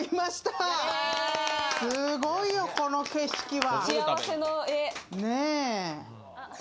すごいよ、この景色は。